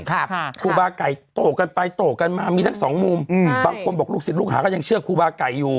ครูบาไก่โตกันไปโตกันมามีทั้งสองมุมอืมบางคนบอกลูกศิษย์ลูกหาก็ยังเชื่อครูบาไก่อยู่